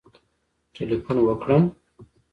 ټلېفون وکړم